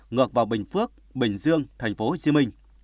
ngược vào bình phước bình dương tp hcm